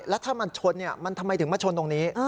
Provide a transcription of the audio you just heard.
แล้วถ้ามันชนมันทำไมถึงมาชนตรงนี้